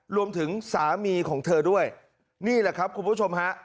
รวมถึงสามีของเธอด้วยนี่แหละครับคุณผู้ชมฮะ